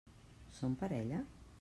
Són parella?